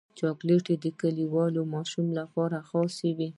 چاکلېټ د کلیوال ماشوم لپاره خاص وي.